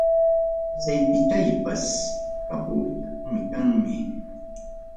Aceitichaypas kapuwachkanmi.